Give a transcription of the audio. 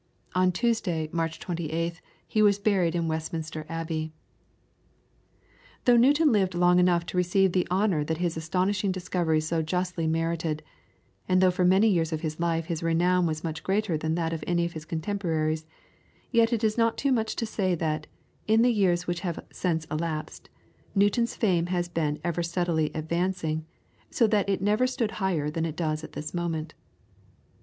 On Tuesday, March 28th, he was buried in Westminster Abbey. Though Newton lived long enough to receive the honour that his astonishing discoveries so justly merited, and though for many years of his life his renown was much greater than that of any of his contemporaries, yet it is not too much to say that, in the years which have since elapsed, Newton's fame has been ever steadily advancing, so that it never stood higher than it does at this moment.